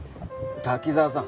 滝澤さん